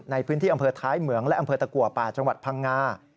ในพื้นที่อำเภอท้ายเหมืองและอำเภอตะกัวป่าจังหวัดพังงา